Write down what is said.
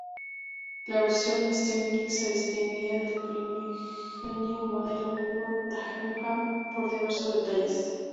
La versión Sterling se distinguía del primigenio modelo Ford Dagenham por diversos detalles.